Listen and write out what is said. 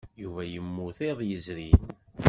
Yuba yemmut iḍ yezrin.